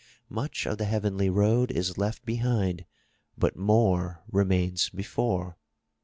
Much of the heavenly road is left behind but more remains before.